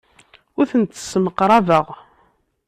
Ur tent-ssemqrabeɣ.